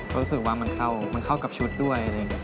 รู้สึกว่าเข้ากับชุดด้วยเลย